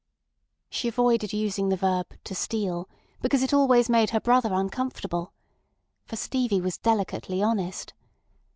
She avoided using the verb "to steal," because it always made her brother uncomfortable. For Stevie was delicately honest.